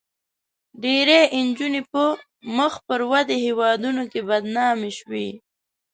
ډېری انجوګانې په مخ پر ودې هېوادونو کې بدنامې شوې.